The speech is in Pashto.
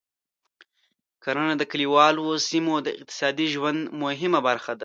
کرنه د کليوالو سیمو د اقتصادي ژوند مهمه برخه ده.